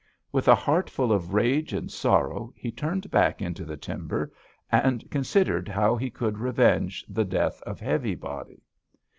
With a heart full of rage and sorrow, he turned back into the timber and considered how he could revenge the death of Heavy Body.